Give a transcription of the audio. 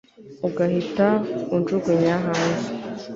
ugahita unjugunya hanze